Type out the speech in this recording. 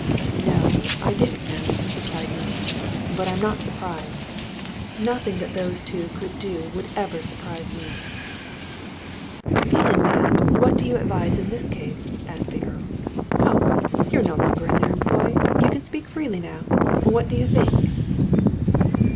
"No, I didn't know," replied Neale. "But I'm not surprised. Nothing that those two could do would ever surprise me." "Feeling that, what do you advise in this case?" asked the Earl. "Come! you're no longer in their employ you can speak freely now. What do you think?"